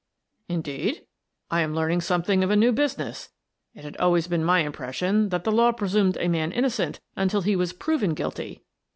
" Indeed ? I am learning something of a new business. It had always been my impression that the law presumed a man innocent until he was proven guilty."